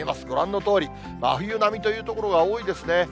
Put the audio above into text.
ご覧のとおり、真冬並みという所が多いですね。